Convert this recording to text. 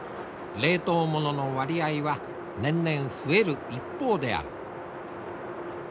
冷凍物の割合は年々増える一方である。